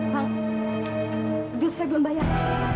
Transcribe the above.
pak justru saya belum bayar